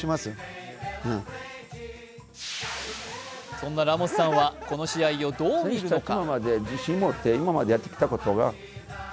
そんなラモスさんはこの試合をどう見るのか。